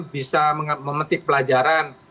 bisa memetik pelajaran